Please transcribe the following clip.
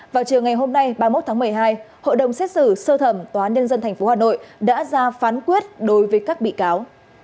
vào chiều ngày hôm nay ba mươi một tháng một mươi hai hội đồng xét xử sơ thẩm tnth hà nội đã ra phán quyết đối với các bị cáo